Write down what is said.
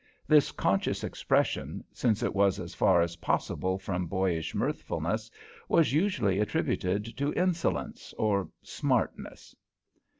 This conscious expression, since it was as far as possible from boyish mirthfulness, was usually attributed to insolence or "smartness."